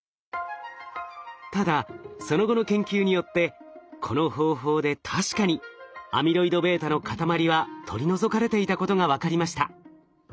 ただその後の研究によってこの方法で確かにアミロイドβの塊は取り除かれていたことが分かりました。